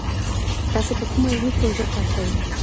تاسي په کومه علمي پروژه کار کوئ؟